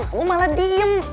kamu malah diem